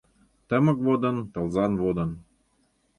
Тымык водын, тылзан водын